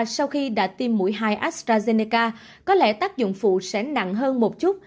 sau khi đã tiêm mũi hai astrazeneca có lẽ tác dụng phụ sẽ nặng hơn một chút